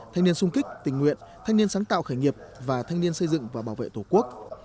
thanh niên sung kích tình nguyện thanh niên sáng tạo khởi nghiệp và thanh niên xây dựng và bảo vệ tổ quốc